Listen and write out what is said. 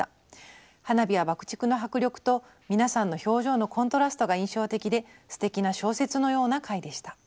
花火や爆竹の迫力と皆さんの表情のコントラストが印象的ですてきな小説のような回でした」。